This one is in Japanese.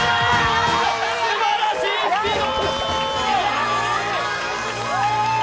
すばらしいスピード！